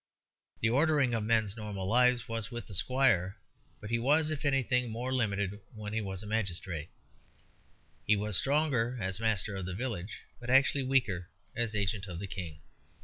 The ordering of men's normal lives was with the squire; but he was, if anything, more limited when he was the magistrate. He was stronger as master of the village, but actually weaker as agent of the King.